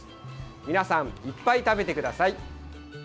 皆さんいっぱい食べてください。